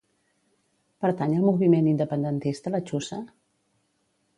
Pertany al moviment independentista la Chusa?